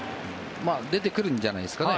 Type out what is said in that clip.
出てくるんじゃないですかね。